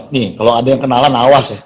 nih kalau ada yang kenalan awas ya